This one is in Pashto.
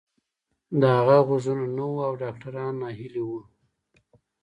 د هغه غوږونه نه وو او ډاکتران ناهيلي وو.